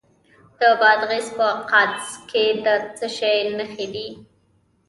د بادغیس په قادس کې د څه شي نښې دي؟